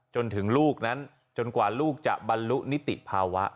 จนถึงลูกนั้นจนกว่าลูกจะบรรลุนิติภาวะ